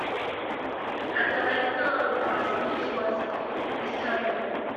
At length the Parsonage was discernible.